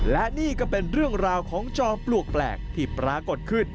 และนี่ก็เป็นเรื่องราวของจอมปลวกแปลกที่ปรากฏขึ้น